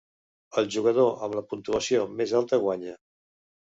El jugador amb la puntuació més alta guanya.